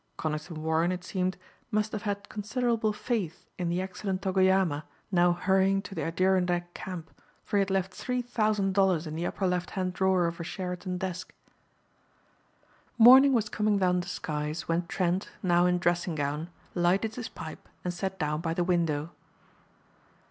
Conington Warren, it seemed, must have had considerable faith in the excellent Togoyama now hurrying to the Adirondack camp, for he had left three thousand dollars in the upper left hand drawer of a Sheraton desk. Morning was coming down the skies when Trent, now in dressing gown, lighted his pipe and sat down by the window.